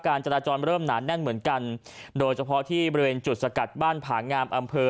จราจรเริ่มหนาแน่นเหมือนกันโดยเฉพาะที่บริเวณจุดสกัดบ้านผางามอำเภอ